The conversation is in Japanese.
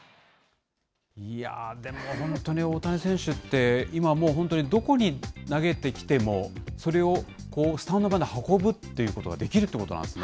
いやぁ、でも本当に大谷選手って、今もう、本当にどこに投げてきても、それをスタンドまで運ぶってことができるってことなんですね。